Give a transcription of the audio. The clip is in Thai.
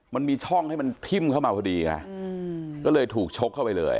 มันมีช่องให้มันทิ่มเข้ามาพอดีไงก็เลยถูกชกเข้าไปเลย